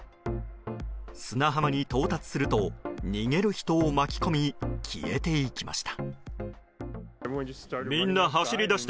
砂浜に到達すると逃げる人を巻き込み消えていきました。